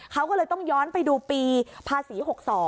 เขาก็เลยต้องย้อนไปดูปีภาษี๖๒